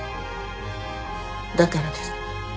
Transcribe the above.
だからです。